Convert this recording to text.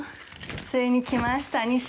ついに来ました。